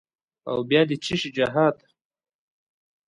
او بیا د چیشي جهاد؟